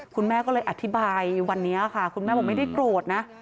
คุณแม่ก็เลยอธิบายวันนี้ค่ะคุณแม่บอกไม่ได้โกรธนะ